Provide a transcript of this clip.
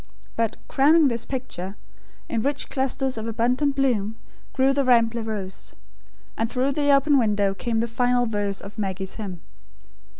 But crowning this picture, in rich clusters of abundant bloom, grew the rambler rose. And through the open window came the final verse of Maggie's hymn.